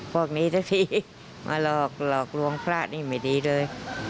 พวกนี้สักทีมาหลอกหลอกลวงพระนี่ไม่ดีเลย